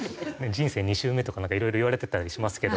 人生２周目とかなんかいろいろ言われてたりしますけど。